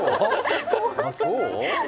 そう？